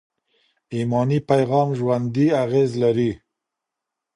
ایماني پیغام ژوندي اغېز لري.